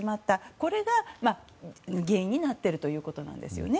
これが原因になっているということです。